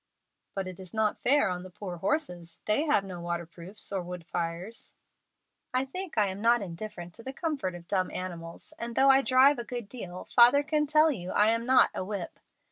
"But it is not fair on the poor horses. They have no waterproofs or wood fires." "I think I am not indifferent to the comfort of dumb animals, and though I drive a good deal, father can tell you I am not a 'whip.'